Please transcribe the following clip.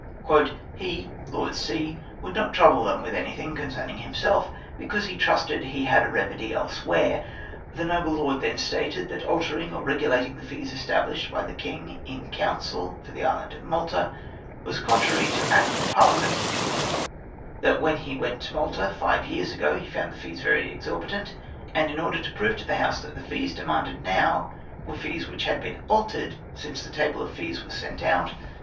" He (Lord C.) wovild not trouljle them with anything con cerning himself, because he trusted he had a remedy elsewhere. The noble lord then stated that altering or regulating the fees established by the King in council, for the island of Malta, was contrary to Act of Parliament, that when he went to Malta five years ago he found the fees very exorbitant ; and, in order to prove to the House that the fees demanded now were fees which had been altered since the table of fees was sent out, the TAPERS MOVED FOE.